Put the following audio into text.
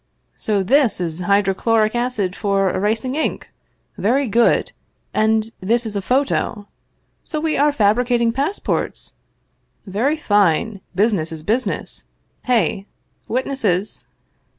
" So this is hydrochloric acid for erasing ink ? Very good ! And this is a photo ! So we are fabricating passports ? Very fine ! Business is business ! Hey! Witnesses!"